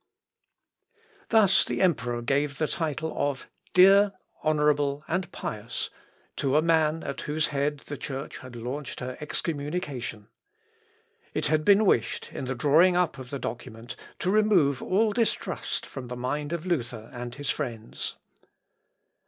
Thus the emperor gave the title of "dear, honourable, and pious," to a man at whose head the Church had launched her excommunication. It had been wished, in the drawing up of the document, to remove all distrust from the mind of Luther and his friends.